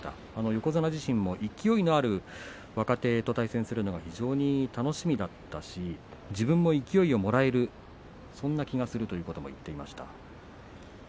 横綱自身も勢いのある若手と対戦するのが非常に楽しみだったし自分も勢いをもらえるそんな気がするということも言っていました。